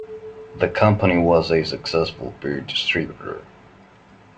The company was a successful beer distributor.